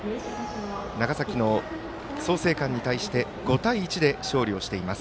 長崎の創成館に対して５対１で勝利をしています。